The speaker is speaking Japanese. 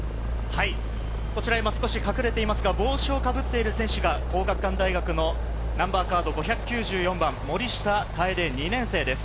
こちら、今少し隠れていますが帽子をかぶっている選手が、皇學館大学のナンバーカード５９４番・森下楓２年生です。